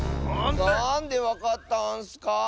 なんでわかったんスか？